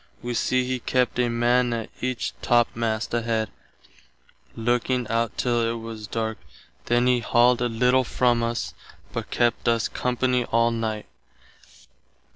Wee see he kept a man at each topmast head, looking out till it was darke, then he halled a little from us, but kept us company all night.